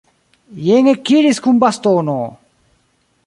Jen ekiris kun bastono!